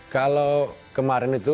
kalau kemarin itu